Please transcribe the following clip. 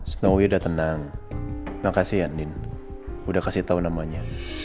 snowy udah tenang makasih ya nin udah kasih tahu namanya